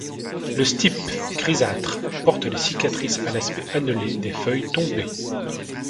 Le stipe, grisâtre, porte les cicatrices à l'aspect annelé des feuilles tombées.